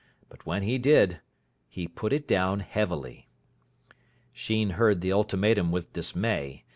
But when he did, he put it down heavily. Sheen heard the ultimatum with dismay.